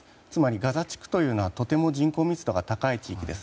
ガザ地区というのはとても人口密度の高い地域です。